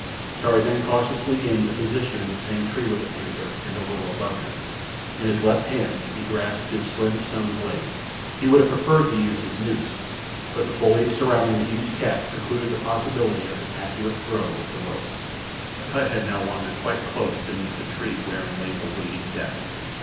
Tarzan cautiously gained a position in the same tree with the panther and a little above him. In his left hand he grasped his slim stone blade. He would have preferred to use his noose, but the foliage surrounding the huge cat precluded the possibility of an accurate throw with the rope. Akut had now wandered quite close beneath the tree wherein lay the waiting death.